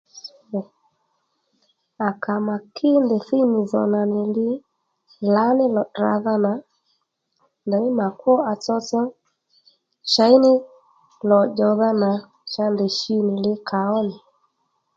À kà mà kí ndèy nì zòw nà nì li thíy lǎní lò tdràdha nà ndèymí mà kwó à tsotso chěy ní lò dyòwdha nà cha ndèy shi nì li kàó nì